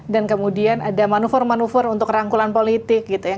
dan kemudian ada manuver manuver untuk rangkulan politik gitu ya